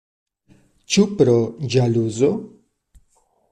Ĉu pro ĵaluzo?